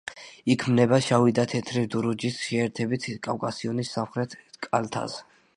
იქმნება შავი და თეთრი დურუჯის შეერთებით კავკასიონის სამხრეთ კალთაზე.